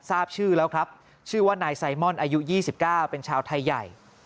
ทราบชื่อแล้วครับชื่อว่านายไซมอนอายุ๒๙เป็นชาวไทยใหญ่